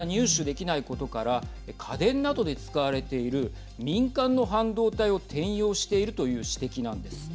ロシア軍は軍事用の半導体が入手できないことから家電などで使われている民間の半導体を転用しているという指摘なんです。